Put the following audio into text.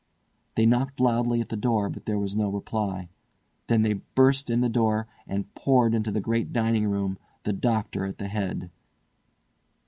They knocked loudly at the door, but there was no reply. Then they burst in the door, and poured into the great dining room, the doctor at the head.